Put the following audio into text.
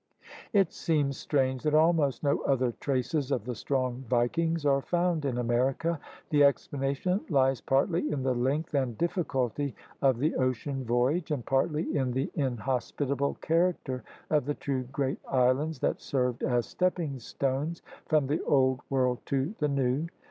' It seems strange that almost no other traces of the strong vikings are found in America. The explanation lies partly in the length and difiiculty of the ocean voyage, and partly in the inhospitable character of the two great islands that served as stepping stones from the Old World to the New.